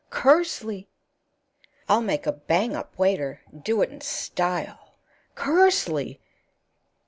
"Kersley!" "I'll make a bang up waiter; do it in style." "Kersley!"